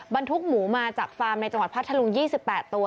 บรรทุกหมูมาจากฟาร์มในจังหวัดพัทธลุง๒๘ตัว